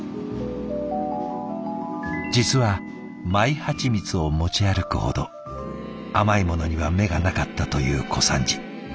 実はマイハチミツを持ち歩くほど甘いものには目がなかったという小三治。